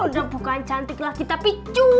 udah bukan cantik lah kita picu